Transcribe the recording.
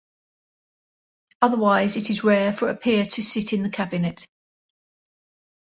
Otherwise it is rare for a peer to sit in the Cabinet.